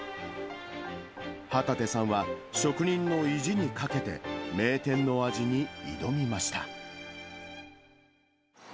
旗手さんは職人の意地にかけて、名店の味に挑みました。